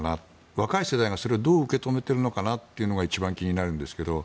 若い世代がそれをどう受け止めているのかなというのが一番気になるんですけど。